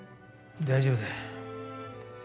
大丈夫だ。